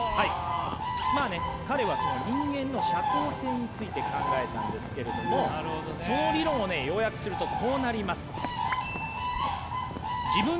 まあね彼はその人間の社交性について考えたんですけれどもその理論をね要約するとこうなります。